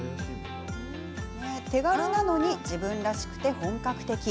手軽なのに自分らしくて本格的。